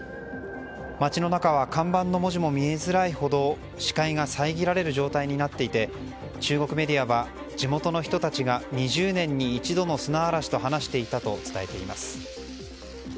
街の中は看板の文字も見えづらいほど視界が遮られる状態になっていて中国メディアは地元の人たちが２０年に一度の砂嵐と話していたと伝えています。